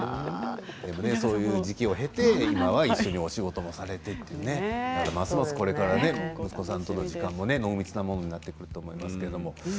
そういう時期を経て今は一緒にお仕事もされてというますますこれから息子さんとの時間も濃密なものになってくると思いますけど。